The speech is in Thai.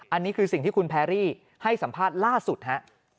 อันนี้คือสิ่งที่คุณแพรรี่ให้สัมภาษณ์ล่าสุดฮะ